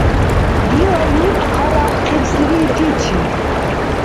Дила юрт хъаряхъибсири итичи.